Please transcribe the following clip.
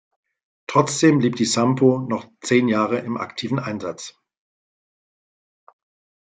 Trotzdem blieb die "Sampo" noch zehn Jahre im aktiven Einsatz.